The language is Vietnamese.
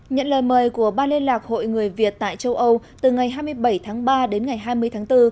nhận lời mời của ba liên lạc hội người việt tại châu âu từ ngày hai mươi bảy tháng ba đến ngày hai mươi tháng bốn